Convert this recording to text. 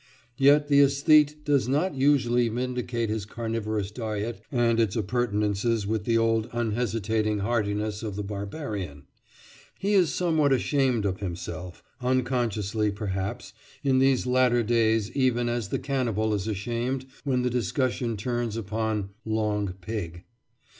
Yet the æsthete does not usually vindicate his carnivorous diet and its appurtenances with the old unhesitating heartiness of the barbarian; he is somewhat ashamed of himself—unconsciously, perhaps—in these latter days, even as the cannibal is ashamed when the discussion turns upon "long pig."